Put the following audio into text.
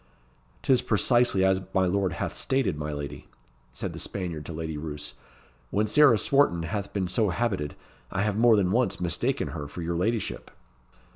"'T is precisely as my lord hath stated, my lady," said the Spaniard to Lady Roos. "When Sarah Swarton hath been so habited, I have more than once mistaken her for your ladyship."